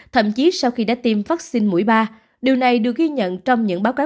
thậm chí sau khi đã tiêm vaccine mũi ba điều này được ghi nhận trong những báo cáo